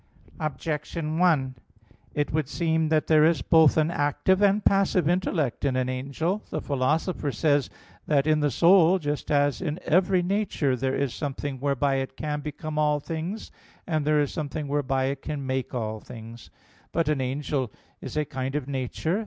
Objection 1: It would seem that there is both an active and a passive intellect in an angel. The Philosopher says (De Anima iii, text. 17) that, "in the soul, just as in every nature, there is something whereby it can become all things, and there is something whereby it can make all things." But an angel is a kind of nature.